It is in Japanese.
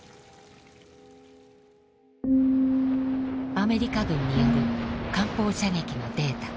アメリカ軍による艦砲射撃のデータ。